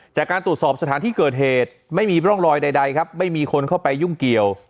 จากการตรวจสอบสถานที่เกิดเหตุไม่มีร่องรอยใดครับไม่มีคนเข้าไปยุ่งเกี่ยว